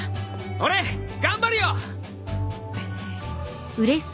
俺頑張るよ！